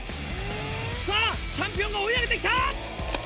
さぁチャンピオンが追い上げてきた！